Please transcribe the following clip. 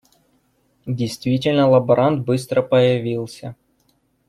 Действительно лаборант быстро появился.